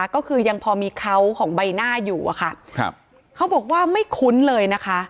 ก็คือยังพอมีเขาของใบหน้าอยู่จะบอกว่าไม่คุ้นเลยนะ